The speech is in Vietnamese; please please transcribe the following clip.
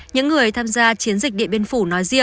những người tham gia chiến dịch điện biên phủ